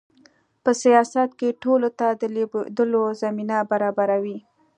په سیاست کې ټولو ته د لوبېدو زمینه برابروي.